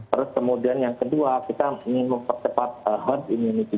terus kemudian yang kedua kita ingin mempercepat herd immunity